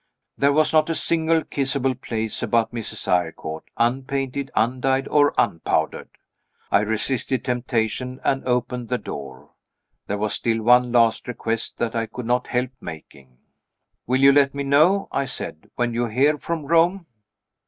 There was not a single kissable place about Mrs. Eyrecourt, unpainted, undyed, or unpowdered. I resisted temptation and opened the door. There was still one last request that I could not help making. "Will you let me know," I said, "when you hear from Rome?"